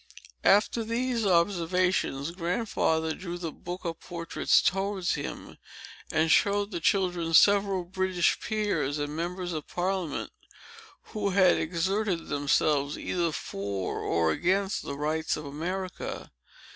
After these observations, Grandfather drew the book of portraits towards him, and showed the children several British peers and members of Parliament, who had exerted themselves either for or against the rights of America.